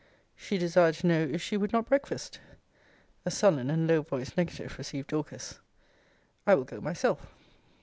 She desired to know, if she would not breakfast? A sullen and low voiced negative received Dorcas. I will go myself.